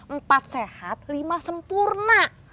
empat sehat lima sempurna